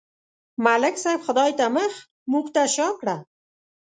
ملک صاحب خدای ته مخ، موږ ته شا کړه.